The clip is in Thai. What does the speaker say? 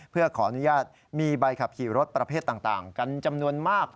เพื่อขออนุญาตมีใบขับขี่รถประเภทต่างกันจำนวนมาก